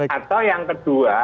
atau yang kedua